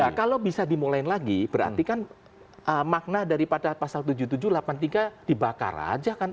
nah kalau bisa dimulai lagi berarti kan makna daripada pasal tujuh puluh tujuh delapan puluh tiga dibakar aja kan